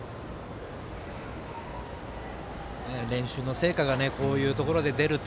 練習の成果がこういうところで出るって